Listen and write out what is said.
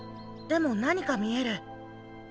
でも何か見える。